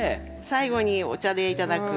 最後にお茶で頂く。